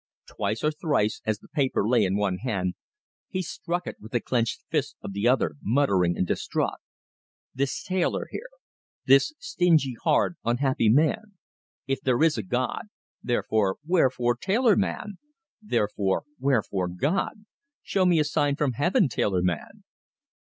Twice or thrice, as the paper lay in one hand, he struck it with the clinched fist of the other, muttering and distraught. "This tailor here.... This stingy, hard, unhappy man.... If there is a God!... Therefore, wherefore, tailor man?... Therefore, wherefore, God?... Show me a sign from Heaven, tailor man!"